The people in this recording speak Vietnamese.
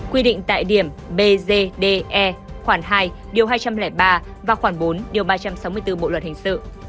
quy định tại điểm bzde khoảng hai hai trăm linh ba và khoảng bốn ba trăm sáu mươi bốn bộ luật hình sự